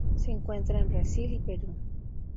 Se encuentra en Brasil y Perú.